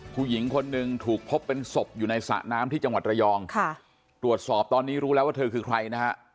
ผู้หญิงคนหนึ่งถูกพบเป็นศพอยู่ในสระน้ำที่จังหวัดระยองค่ะตรวจสอบตอนนี้รู้แล้วว่าเธอคือใครนะฮะ